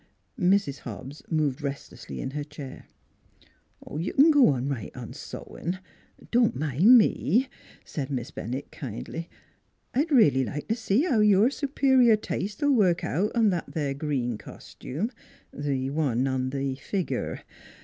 Mrs. Hobbs moved restlessly in her chair. *' You c'n go right on sewin'; don't mind me," NEIGHBORS 87 said Miss Bennett kindly. " I'd reelly like t' see how your s'perior taste '11 work out on that there green costume the one on the figur'. .